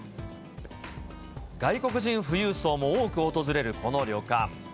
外国人富裕層も多く訪れるこの旅館。